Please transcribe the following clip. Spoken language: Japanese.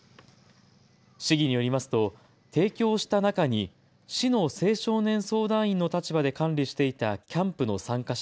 市議によりますと提供した中に市の青少年相談員の立場で管理していたキャンプの参加者